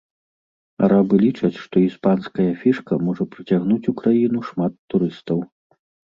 Арабы лічаць, што іспанская фішка можа прыцягнуць у краіну шмат турыстаў.